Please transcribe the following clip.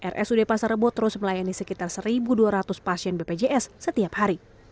rsud pasar rebo terus melayani sekitar satu dua ratus pasien bpjs setiap hari